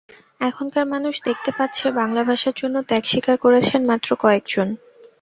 এখনকার মানুষ দেখতে পাচ্ছে, বাংলা ভাষার জন্য ত্যাগ স্বীকার করেছেন মাত্র কয়েকজন।